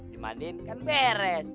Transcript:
dimandin kan beres